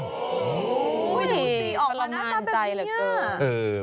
โอ้โหดูสิออกมาหน้าตาแบบนี้